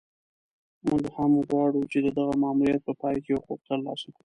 موږ هم غواړو چې د دغه ماموریت په پای کې حقوق ترلاسه کړو.